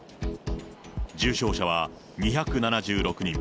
重症者は２７６人。